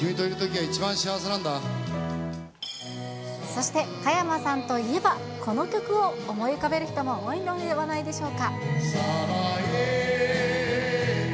そして、加山さんといえば、この曲を思い浮かべる人も多いのではないでしょうか。